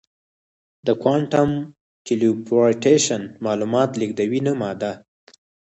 د کوانټم ټیلیپورټیشن معلومات لېږدوي نه ماده.